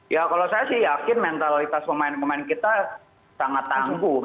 ya kalau saya sih yakin mentalitas pemain pemain kita sangat tangguh